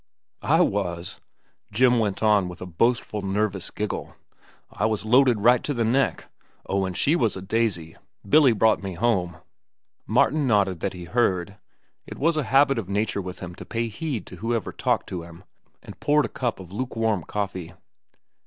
"I was," Jim went on with a boastful, nervous giggle. "I was loaded right to the neck. Oh, she was a daisy. Billy brought me home." Martin nodded that he heard,—it was a habit of nature with him to pay heed to whoever talked to him,—and poured a cup of lukewarm coffee.